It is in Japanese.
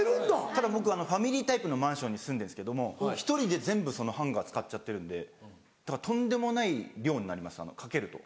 ただ僕ファミリータイプのマンションに住んでるんですけども１人で全部ハンガー使っちゃってるんでだからとんでもない量になります掛けると。